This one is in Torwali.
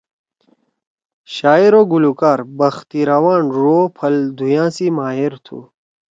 شاعر او گلوکار بخت روان ڙو او پھل دُھوئیا سی ماہر تُھو۔